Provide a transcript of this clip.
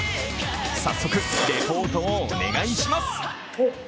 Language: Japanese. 早速、レポートをお願いします！